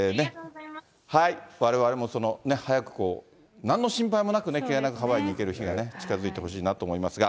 われわれも早く、なんの心配もなく、ハワイに行ける日が近づいてほしいなと思いますが。